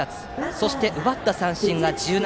そして、奪った三振が１７。